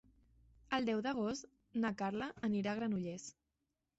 El deu d'agost na Carla anirà a Granollers.